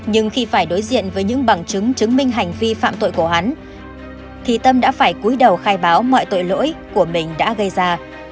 nhưng khi phải đối diện với những bằng chứng chứng minh hành vi phạm tội của hắn thì tâm đã phải cuối đầu khai báo mọi tội lỗi của mình đã gây ra